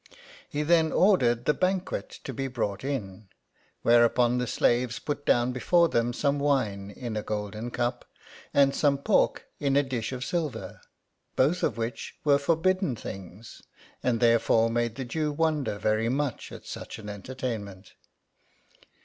He then ordered the banquet to be brought in ; whereupon the slaves put down before them some wine, in a golden cup, and some pork, in a dish of silver ; both of which were forbidden things, and therefore made the Jew wonder very much at such an entertainment.